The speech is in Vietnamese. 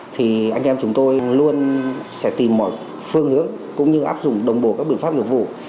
thì anh em chúng tôi luôn sẽ tìm mọi phương hướng cũng như áp dụng đồng bộ các biện pháp nghiệp vụ